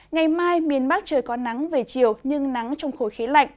ngày mai miền bắc trời có nắng về chiều nhưng nắng trong khối khí lạnh